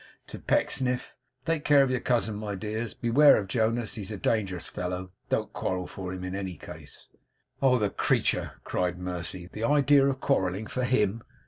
to Pecksniff. Take care of your cousin, my dears; beware of Jonas; he's a dangerous fellow. Don't quarrel for him, in any case!' 'Oh, the creature!' cried Mercy. 'The idea of quarrelling for HIM!